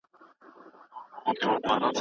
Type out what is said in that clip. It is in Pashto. سندي څېړنه تر خپلواکې څيړني ستونزمنه ده.